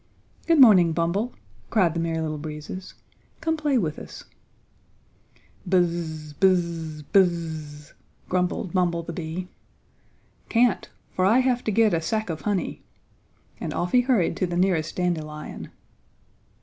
"Good morning, Bumble," cried the Merry Little Breezes. "Come play with us!" "Buzz, buzz, buzz," grumbled Bumble the Bee. "Can't, for I have to get a sack of honey," and off he hurried to the nearest dandelion.